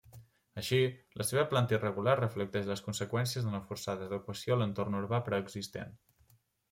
Així, la seva planta irregular reflecteix les conseqüències d'una forçada adequació a l'entorn urbà preexistent.